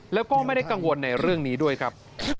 แล้วก็ไม่ได้กังวลในเรื่องนี้ด้วยครับ